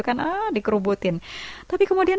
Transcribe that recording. kan dikerubutin tapi kemudian